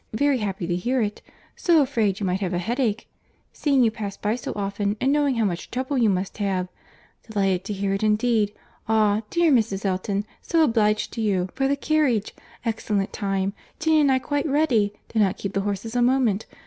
Very happy to hear it. So afraid you might have a headache!—seeing you pass by so often, and knowing how much trouble you must have. Delighted to hear it indeed. Ah! dear Mrs. Elton, so obliged to you for the carriage!—excellent time. Jane and I quite ready. Did not keep the horses a moment.